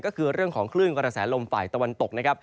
ก็คือเรื่องของคลื่นกระแสลมฝ่ายตะวันตกนะครับ